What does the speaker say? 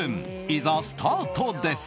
いざスタートです！